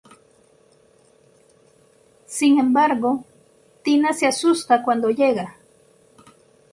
Sin embargo, Tina se asusta cuando llega.